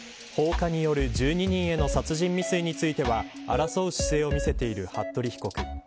放火による１２人への殺人未遂については争う姿勢を見せている服部被告。